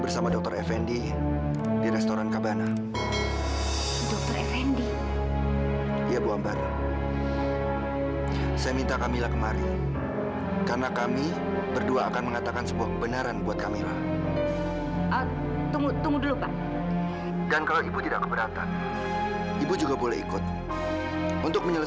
sampai jumpa di video selanjutnya